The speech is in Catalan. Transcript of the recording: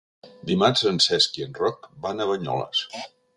Dimarts en Cesc i en Roc van a Banyoles.